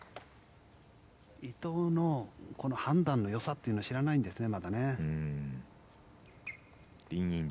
伊藤の判断の良さというのはまだ知らないんですね。